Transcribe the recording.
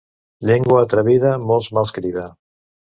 Llengua atrevida molts mals crida.